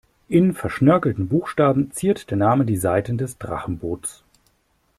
In verschnörkelten Buchstaben ziert der Name die Seiten des Drachenboots.